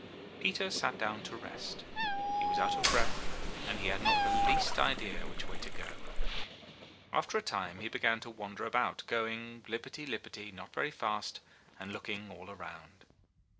Peter sat down to rest; he was out of breath, and he had not the least idea which way to go. After a time he began to wander about, going — lippity — lippity — not very fast, and looking all around.